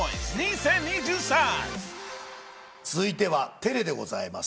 続いてはＴｅｌｅでございます。